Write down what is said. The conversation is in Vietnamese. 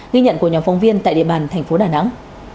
ghi nhận của nhóm phóng viên tại địa bàn tp đà nẵng